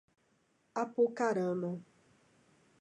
Apucarana